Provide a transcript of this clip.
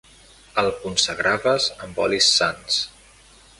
El consagraves amb olis sants.